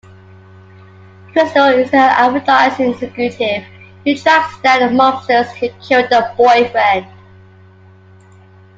Crystal is an advertising executive who tracks down the mobsters who killed her boyfriend.